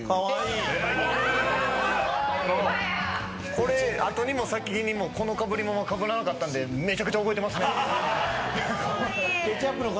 これ後にも先にもこのかぶり物かぶらなかったんでめちゃくちゃ覚えてますね。